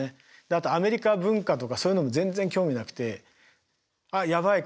あとアメリカ文化とかそういうのも全然興味なくて「あっやばい。